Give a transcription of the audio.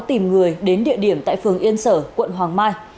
tìm người đến địa điểm tại phường yên sở quận hoàng mai